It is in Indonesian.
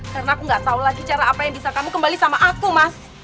karena aku gak tahu lagi cara apa yang bisa kamu kembali sama aku mas